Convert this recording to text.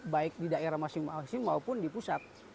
baik di daerah masing masing maupun di pusat